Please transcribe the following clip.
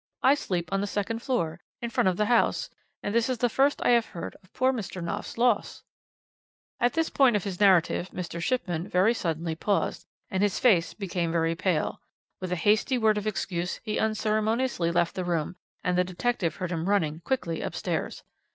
I sleep on the second floor, in the front of the house, and this is the first I have heard of poor Mr. Knopf's loss ' "At this point of his narrative Mr. Shipman very suddenly paused, and his face became very pale. With a hasty word of excuse he unceremoniously left the room, and the detective heard him running quickly upstairs.